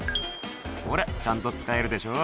「ほらちゃんと使えるでしょ」